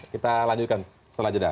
kita lanjutkan setelah jeda